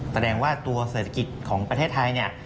แสดงว่าตัวเศรษฐกิจของประเทศไทยเนี่ย